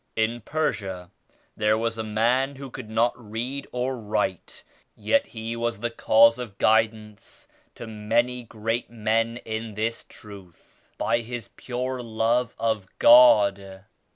In Persia there was a man who could not read or write yet he was the cause of guidance to many great men in this Truth by his pure love of God.